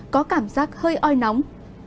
có cảm giác hơi oi nóng